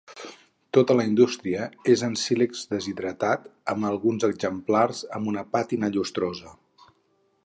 Tota la indústria és en sílex deshidratat amb alguns exemplars amb una pàtina llustrosa.